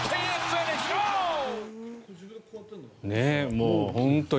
もう本当に。